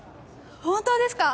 本当ですか？